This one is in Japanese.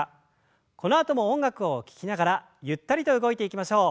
このあとも音楽を聞きながらゆったりと動いていきましょう。